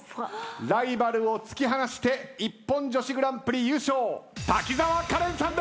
ライバルを突き放してＩＰＰＯＮ女子グランプリ優勝滝沢カレンさん